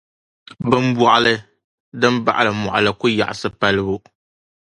Bimbɔɣili din baɣili mɔɣili ku yaɣisi palibu.